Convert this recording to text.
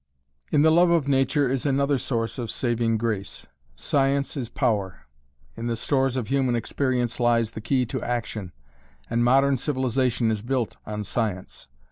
In the love of nature is another source of saving grace. Science is power. In the stores of human experience lies the key to action, and modern civilization is built on Science.